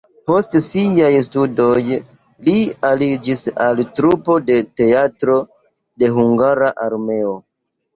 Post siaj studoj li aliĝis al trupo de Teatro de Hungara Armeo.